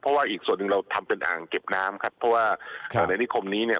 เพราะว่าอีกส่วนหนึ่งเราทำเป็นอ่างเก็บน้ำครับเพราะว่าในนิคมนี้เนี่ย